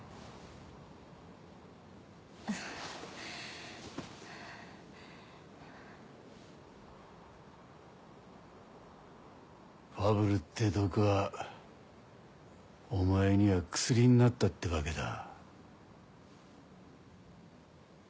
ファブルって毒はお前には薬になったってわけだ。